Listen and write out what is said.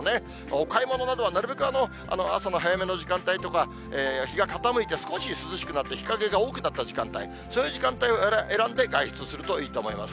お買い物などはなるべく朝の早めの時間帯とか、日が傾いて、少し涼しくなって日陰が多くなった時間帯、そういう時間帯を選んで外出するといいと思います。